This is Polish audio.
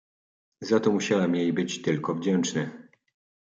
"Za to musiałem jej być tylko wdzięczny."